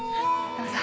どうぞ。